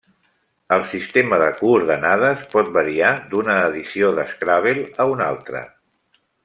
El sistema de coordenades pot variar d'una edició de Scrabble a una altra.